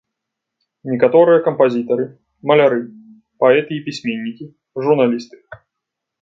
Некаторыя кампазітары, маляры, паэты і пісьменнікі, журналісты.